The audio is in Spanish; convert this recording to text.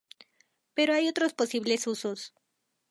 Pero hay otros posibles usos.